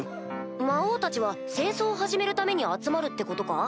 魔王たちは戦争を始めるために集まるってことか？